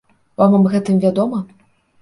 Вам аб гэтым вядома?